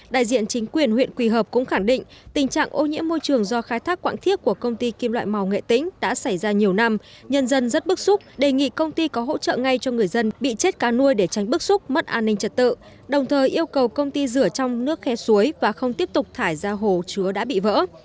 đại diện chính quyền huyện quỳ hợp cũng khẳng định tình trạng ô nhiễm môi trường do khai thác quạng thiết của công ty kim loại màu nghệ tĩnh đã xảy ra nhiều năm nhân dân rất bức xúc đề nghị công ty có hỗ trợ ngay cho người dân bị chết cá nuôi để tránh bức xúc mất an ninh trật tự đồng thời yêu cầu công ty rửa trong nước khe suối và không tiếp tục thải ra hồ chứa đã bị vỡ